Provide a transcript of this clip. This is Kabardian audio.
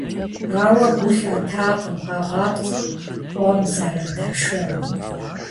Ауэ гу лъатакъым къагъапцӏэу къуэм зэрыдашам.